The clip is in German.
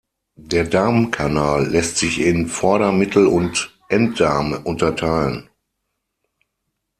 Der Darmkanal lässt sich in Vorder-, Mittel- und Enddarm unterteilen.